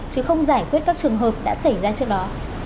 chứ không giải quyết các trường hợp đã xảy ra trước đó